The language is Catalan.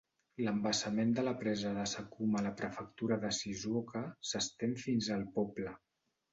L'embassament de la presa de Sakuma a la prefectura de Shizuoka s'estén fins al poble.